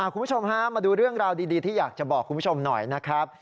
คุณผู้ชมฮะมาดูเรื่องราวดีที่อยากจะบอกคุณผู้ชมหน่อยนะครับ